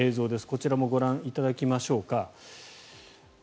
こちらもご覧いただきましょうか。